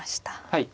はい。